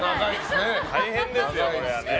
大変ですよこれは。